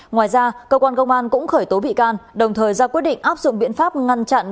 ngoài ra cơ quan công an cũng khởi tố bị can đồng thời ra quyết định áp dụng biện pháp ngăn chặn